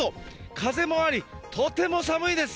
風もあり、とても寒いです。